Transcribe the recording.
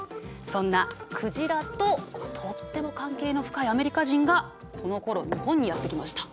そんな鯨ととっても関係の深いアメリカ人がこのころ日本にやって来ました。